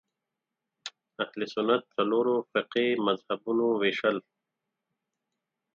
اهل سنت څلورو فقهي مذهبونو وېشل